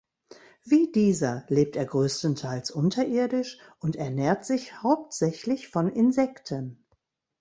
Wie dieser lebt er größtenteils unterirdisch und ernährt sich hauptsächlich von Insekten.